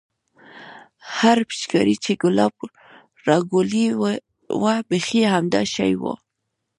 هغه پيچکارۍ چې ګلاب رالګولې وه بيخي همدا شى وه.